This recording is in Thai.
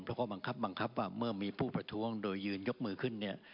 แล้วก็บังคับบังคับว่าเมื่อมีผู้ประท้วงโดยยืนยกมือขึ้นเนี่ย